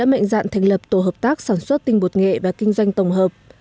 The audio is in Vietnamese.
mệnh dạng thành lập tổ hợp tác sản xuất tinh bột nghệ và kinh doanh tổng hợp